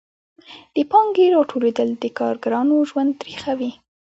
د پانګې راټولېدل د کارګرانو ژوند تریخوي